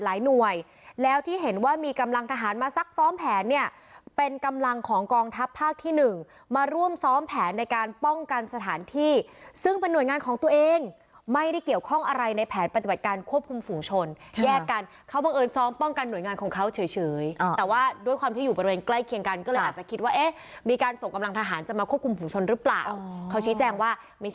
หลายหน่วยแล้วที่เห็นว่ามีกำลังทหารมาซักซ้อมแผนเนี่ยเป็นกำลังของกองทัพภาคที่๑มาร่วมซ้อมแผนในการป้องกันสถานที่ซึ่งเป็นหน่วยงานของตัวเองไม่ได้เกี่ยวข้องอะไรในแผนปฏิบัติการควบคุมฝูงชนแยกกันเขาบังเอิญซ้อมป้องกันหน่วยงานของเขาเฉยแต่ว่าด้วยความที่อยู่บริเวณใกล้เคียงกันก็อา